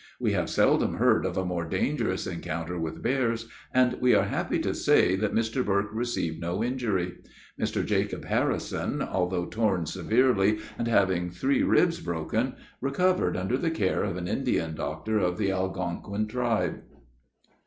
We have seldom heard of a more dangerous encounter with bears, and we are happy to say that Mr. Burke received no injury; Mr. Jacob Harrison, although torn severely, and having three ribs broken, recovered under the care of an Indian doctor of the Algonquin tribe."